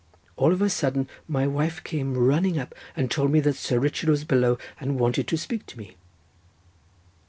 All of a sudden my wife came running up, and told me that Sir Richard was below, and wanted to speak to me.